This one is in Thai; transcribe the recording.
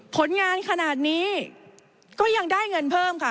ผลงานขนาดนี้ก็ยังได้เงินเพิ่มค่ะ